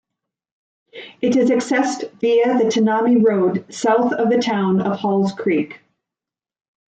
It is accessed via the Tanami Road south of the town of Halls Creek.